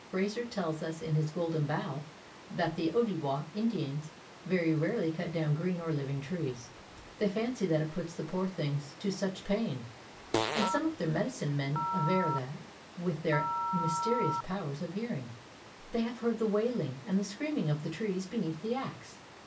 Frazer tells us in his Golden Bough that the Ojibwa Indians very rarely cut down green or living trees; they fancy that it puts the poor things to such pain. And some of their medicine men aver that, with their mysterious powers of hearing, they have heard the wailing and the screaming of the trees beneath the axe. Mr.